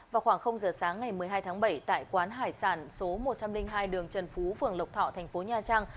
vào khoảng giờ sáng ngày một mươi hai tháng bảy tại quán hải sản số một trăm linh hai đường trần phú phường lộc thọ thành phố nha trang